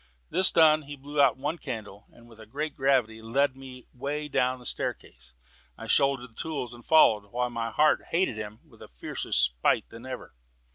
This done, he blew out one candle, and with great gravity led the way down the staircase. I shouldered the tools and followed, while my heart hated him with a fiercer spite than ever.